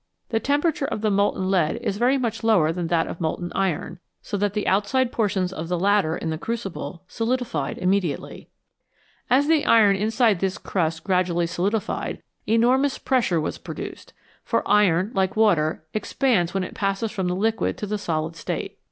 The temperature of molten lead is very much lower than that of molten iron, so that the outside portions of the latter in the crucible solidified immediately. As the iron inside this crust gradually solidified, enormous pressure was produced ; for iron, like water, expands when it passes from the liquid to the solid state.